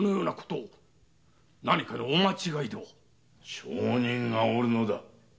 証人がおるのだ。